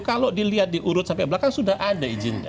kalau dilihat diurut sampai belakang sudah ada izinnya